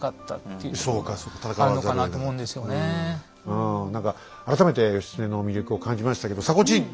うん何か改めて義経の魅力を感じましたけど迫ちん！